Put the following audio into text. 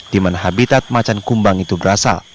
dimana habitat macan kumbang itu berasal